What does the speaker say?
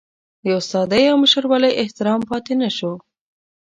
د استادۍ او مشرولۍ احترام پاتې نشو.